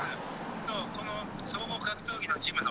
この総合格闘技のジムの。